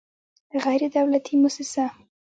غیر دولتي موسسه